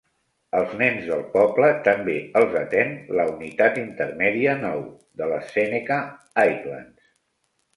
Els nens del poble també els atén la Unitat Intermèdia Nou de les Seneca Highlands.